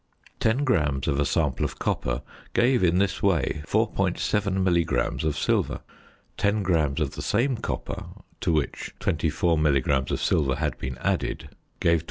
Ten grams of a sample of copper gave in this way 4.7 milligrams of silver. Ten grams of the same copper, to which 24 milligrams of silver had been added gave 28.